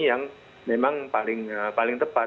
yang memang paling tepat